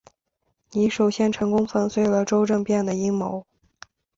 你首先成功粉碎了周政变的阴谋。